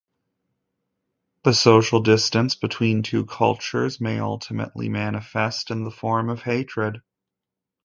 The social distance between two cultures may ultimately manifest in the form of hatred.